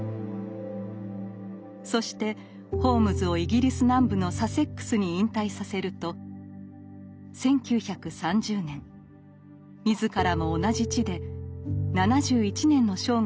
そしてホームズをイギリス南部のサセックスに引退させると１９３０年自らも同じ地で７１年の生涯を静かに閉じました。